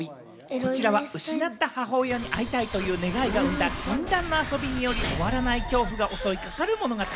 こちらは失った母親に会いたいという願いを生んだ禁断の遊びにより、終わらない恐怖が襲いかかる物語。